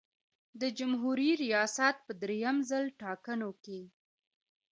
د جمهوري ریاست په دریم ځل ټاکنو کې.